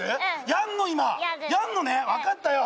やんのね分かったよ